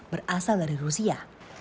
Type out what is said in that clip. berasal dari rusia